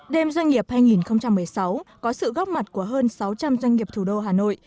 đêm doanh nghiệp hai nghìn một mươi sáu có sự góp mặt của hơn sáu trăm linh doanh nghiệp thủ đô hà nội